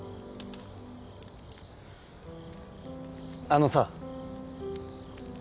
あのさ。